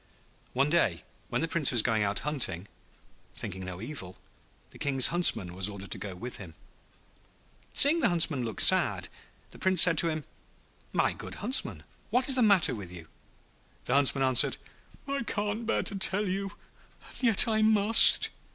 One day when the Prince was going out hunting, thinking no evil, the King's Huntsman was ordered to go with him. Seeing the Huntsman look sad, the Prince said to him, 'My good Huntsman, what is the matter with you?' The Huntsman answered, 'I can't bear to tell you, and yet I must.'